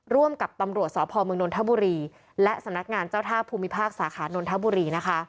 ร่วมกับตำรวจสพมนนทบุรีและสำนักงานเจ้าท่าภูมิภาคสาขานนทบุรีนะคะ